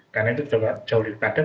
karena itu jauh lebih padat